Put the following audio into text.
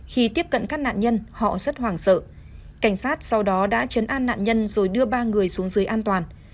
khi tiếp cận các nạn nhân họ rất hoảng sợ cảnh sát sau đó đã chấn an nạn nhân rồi đưa ba người xuống dưới an toàn